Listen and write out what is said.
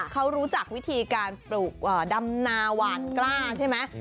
เขารู้จักวิธีการปลูกดำนาหวานกล้าใช่ไหม